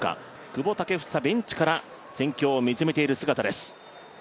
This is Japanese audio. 久保建英、ベンチから戦況を見つめている姿です。